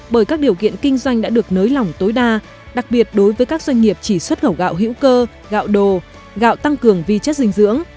bởi các điều kiện kinh doanh đã được nới lỏng tối đa đặc biệt đối với các doanh nghiệp chỉ xuất khẩu gạo hữu cơ gạo đồ gạo tăng cường vi chất dinh dưỡng